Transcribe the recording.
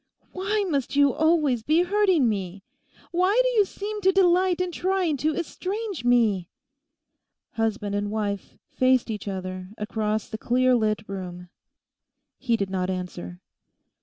'Why must you always be hurting me? why do you seem to delight in trying to estrange me?' Husband and wife faced each other across the clear lit room. He did not answer.